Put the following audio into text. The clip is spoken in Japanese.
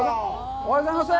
おはようございます。